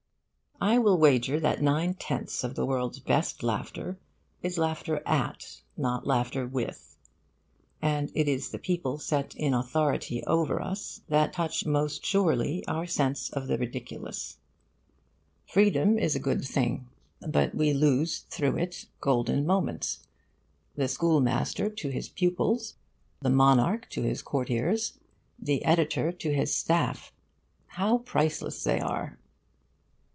I will wager that nine tenths of the world's best laughter is laughter at, not with. And it is the people set in authority over us that touch most surely our sense of the ridiculous. Freedom is a good thing, but we lose through it golden moments. The schoolmaster to his pupils, the monarch to his courtiers, the editor to his staff how priceless they are!